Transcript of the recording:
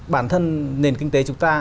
bản thân nền kinh tế chúng ta